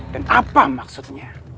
dan apa maksudnya